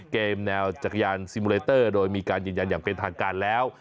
แนวจักรยานซิมูเลเตอร์โดยมีการยืนยันอย่างเป็นทางการแล้ว